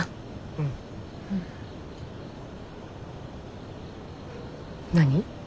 うん。何？